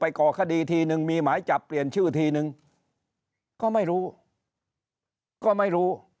ก่อคดีทีนึงมีหมายจับเปลี่ยนชื่อทีนึงก็ไม่รู้ก็ไม่รู้